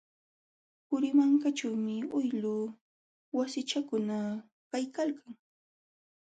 Qurimarkaćhuumi uylu wasichakuna kaykalkan.